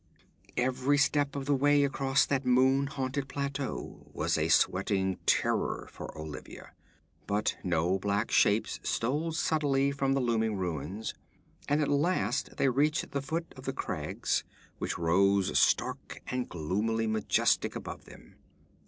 Every step of the way across that moon haunted plateau was a sweating terror for Olivia, but no black shapes stole subtly from the looming ruins, and at last they reached the foot of the crags, which rose stark and gloomily majestic above them.